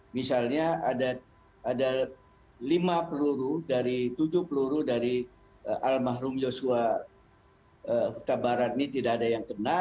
misalnya ada lima peluru dari tujuh peluru dari al mahrum joshua tabarat ini tidak ada yang kena